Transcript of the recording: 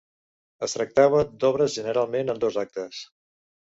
Es tractava d'obres generalment en dos actes.